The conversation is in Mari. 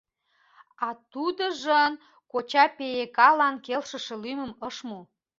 А тудыжын... — коча Пеекалан келшыше лӱмым ыш му.